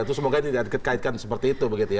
itu semoga tidak dikaitkan seperti itu